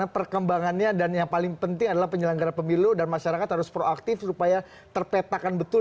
perkembangannya dan yang paling penting adalah penyelenggara pemilu dan masyarakat harus proaktif supaya terpetakan betul